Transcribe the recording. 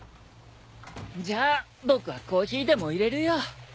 ・じゃあ僕はコーヒーでも入れるよ。